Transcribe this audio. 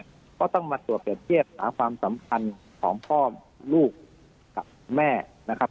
ก็ต้องมาตรวจเปรียบเทียบหาความสัมพันธ์ของพ่อลูกกับแม่นะครับ